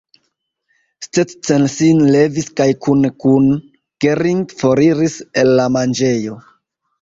Stetten sin levis kaj kune kun Gering foriris el la manĝejo.